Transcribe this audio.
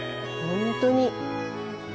ほんとに。